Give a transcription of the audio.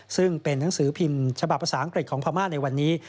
ซึ่งเป็นหนังสือพิมพ์ฉบับภาษาอังกฤษของพม่าในวันนี้